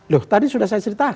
loh tadi sudah saya ceritakan